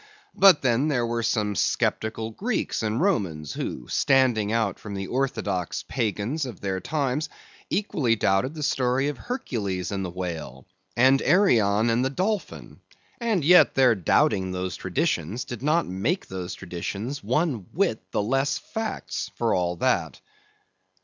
But then there were some sceptical Greeks and Romans, who, standing out from the orthodox pagans of their times, equally doubted the story of Hercules and the whale, and Arion and the dolphin; and yet their doubting those traditions did not make those traditions one whit the less facts, for all that.